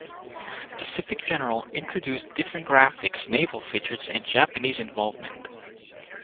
"Pacific General" introduced different graphics, naval features, and Japanese involvement.